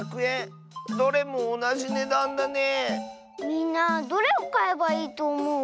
みんなどれをかえばいいとおもう？